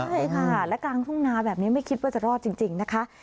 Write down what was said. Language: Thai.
ใช่ค่ะและกลางทุ่งนาแบบนี้ไม่คิดว่าจะรอดจริงนะคะ